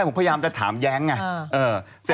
แล้วอ้อออผมพยายามจะถามอย่างไง